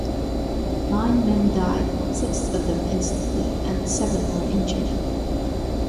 Nine men died - six of them instantly - and seven were injured.